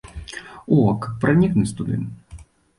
О, каб пранікнуць туды!